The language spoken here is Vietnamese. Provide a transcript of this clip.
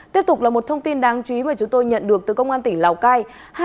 tiếp tục là một thông tin đáng chú ý mà chúng tôi nhận được từ công an tỉnh lào cai